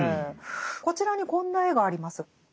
こちらにこんな絵があります。